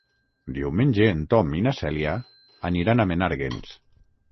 Diumenge en Tom i na Cèlia aniran a Menàrguens.